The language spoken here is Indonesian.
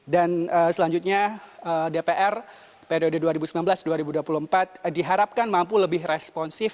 dan selanjutnya dpr periode dua ribu sembilan belas dua ribu dua puluh empat diharapkan mampu lebih responsif